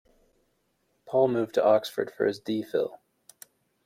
Paul moved to Oxford for his D Phil.